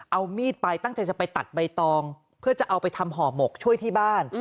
เอามีดไปตั้งใจจะไปตัดใบตองเพื่อจะเอาไปทำห่อหมกช่วยที่บ้าน